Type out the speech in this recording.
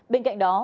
bên cạnh đó